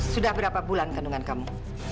sudah berapa bulan kandungan kamu